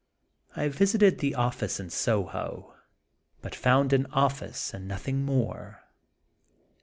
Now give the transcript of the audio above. I visited the office in Soho, but found an office, and nothing more.